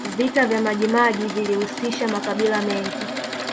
vita vya majimaji vilihusisha makabila mengi